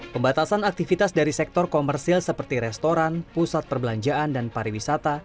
pembatasan aktivitas dari sektor komersil seperti restoran pusat perbelanjaan dan pariwisata